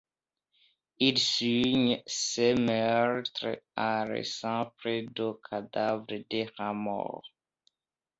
Il signe ses meurtres en laissant près des cadavres des rats morts.